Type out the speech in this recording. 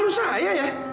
keterlaluan saya ya